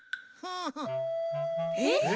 えっ？